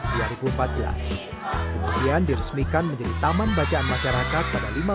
kemudian diresmikan menjadi taman bacaan masyarakat pada dua ribu empat belas